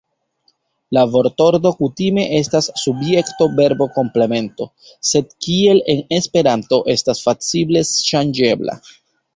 La vortordo kutime estas subjekto-verbo-komplemento, sed kiel en Esperanto estas facile ŝanĝebla.